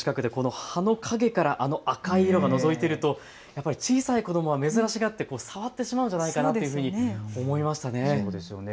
特に地面の近くであの赤い色がのぞいていると小さい子どもは珍しがって触ってしまうんじゃないかなというふうに思いましたね。